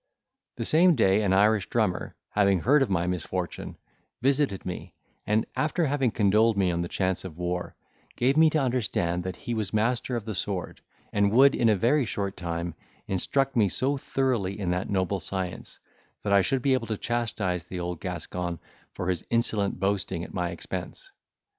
The same day an Irish drummer, having heard of my misfortune, visited me, and after having condoled me on the chance of war, gave me to understand, that he was master of the sword, and would in a very short time instruct me so thoroughly in that noble science, that I should be able to chastise the old Gascon for his insolent boasting at my expense.